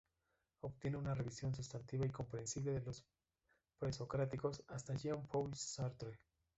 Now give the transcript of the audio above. Obtiene una revisión sustantiva y comprensible de los presocráticos hasta Jean-Paul Sartre.